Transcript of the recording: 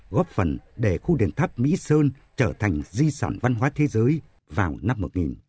góp phần để khu đền tháp mỹ sơn trở thành di sản văn hóa thế giới vào năm một nghìn chín trăm bảy mươi